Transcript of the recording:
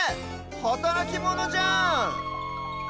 はたらきモノじゃん！